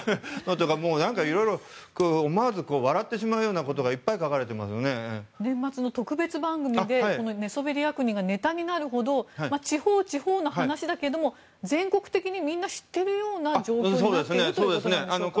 色々、思わず笑ってしまうようなことが年末の特別番組で寝そべり役人がネタになるほど地方の話だけども全国的にみんな知っているような状況になっているということでしょうか？